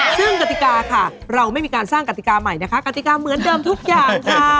ซึ่งกติกาค่ะเราไม่มีการสร้างกติกาใหม่นะคะกติกาเหมือนเดิมทุกอย่างค่ะ